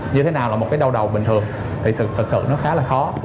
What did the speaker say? như thế nào là một cái đau đầu bình thường thì thật sự nó khá là khó